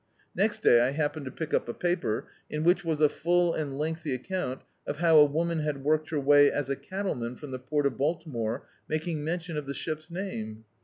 Next day I happened to pick up a paper, in which was a full and lengthy account of how a woman had worked her way as a cattleman from the port of Baltimore, malung mention of the ship's name.